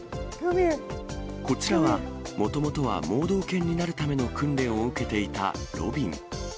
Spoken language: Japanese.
こちらは、もともとは盲導犬になるための訓練を受けていたロビン。